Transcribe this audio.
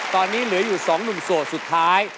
ตอนนี้เหลืออยู่๒หนุ่มโสดสุดท้าย